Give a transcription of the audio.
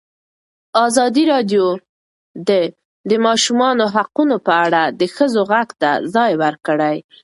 ازادي راډیو د د ماشومانو حقونه په اړه د ښځو غږ ته ځای ورکړی.